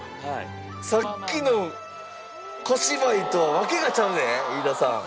さっきの小芝居とはわけがちゃうで飯田さん。